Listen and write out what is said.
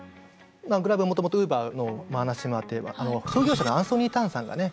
グラブはもともとウーバーの話にもあって創業者のアンソニー・タンさんがね